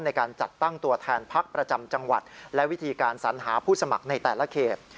ในการจัดตั้งตัวแทนพักประจำจังหวัดและวิธีการสัญหาผู้สมัครในแต่ละเขต